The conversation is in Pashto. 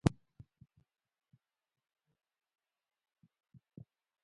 له تجربو زده کړه ولې پکار ده؟